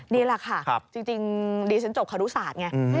นี่แหละค่ะจริงดิฉันจบครุศาสตร์ไง